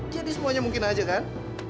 jadi semuanya mungkin aja kan